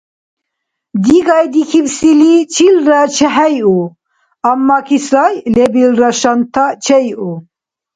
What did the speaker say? Дигай дихьибсили чилра чехӀейу, аммаки сай лебилра шанта чейу